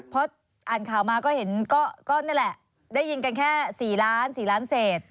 เพราะอ่านข่าวมาก็เห็นก็นั่นละได้ยินกันแค่๔ล้านเสต